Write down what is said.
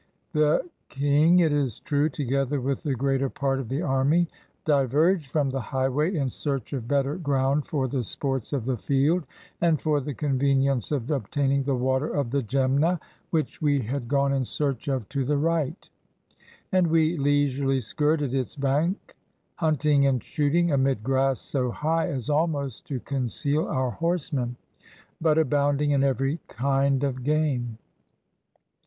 The king, it is true, together with the greater part of the army, diverge from the highway, in search of better ground for the sports of the field, and for the convenience of obtaining the water of the Gemna, which we had gone in search of to the right; and we leisurely skirted its bank, hunting and shooting amid grass so high as almost to conceal our horsemen, but abounding in ever}' kind of game.